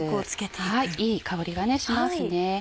いい香りがしますね。